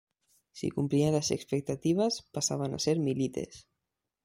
Si cumplían las expectativas, pasaban a ser "milites".